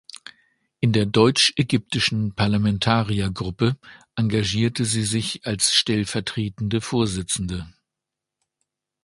In der Deutsch-Ägyptischen Parlamentariergruppe engagierte sie sich als stellvertretende Vorsitzende.